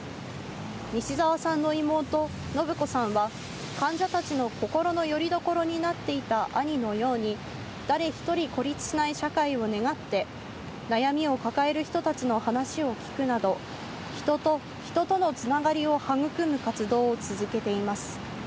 西澤さんの妹、伸子さんは、患者たちの心のよりどころになっていた兄のように、誰一人孤立しない社会を願って、悩みを抱える人たちの話を聞くなど、人と人とのつながりを育む活動を続けています。